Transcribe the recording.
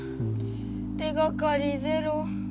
手がかりゼロ。